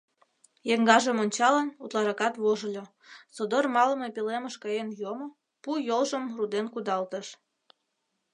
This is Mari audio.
Еҥгажым ончалын, утларакат вожыльо, содор малыме пӧлемыш каен йомо, пу йолжым руден кудалтыш...